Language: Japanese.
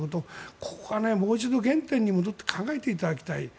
ここはもう一度原点に戻って考えていただきたい。